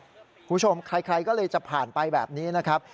คุณผู้ชมใครก็เลยจะผ่านไปแบบนี้นะครับ